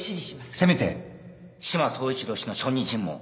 せめて志摩総一郎氏の証人尋問を